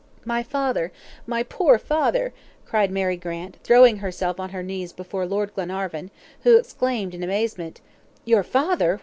"My father! my poor father!" cried Mary Grant, throwing herself on her knees before Lord Glenarvan, who exclaimed in amazement: "Your father?